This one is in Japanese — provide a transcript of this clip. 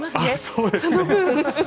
そうですね。